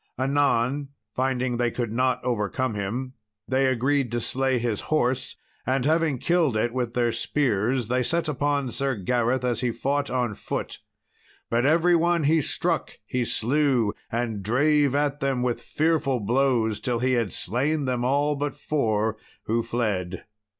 Anon, finding they could not overcome him, they agreed to slay his horse; and having killed it with their spears, they set upon Sir Gareth as he fought on foot. But every one he struck he slew, and drave at them with fearful blows, till he had slain them all but four, who fled.